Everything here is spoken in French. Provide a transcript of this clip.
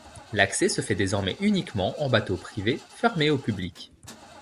L'accès se fait désormais uniquement en bateau privé, fermé au public.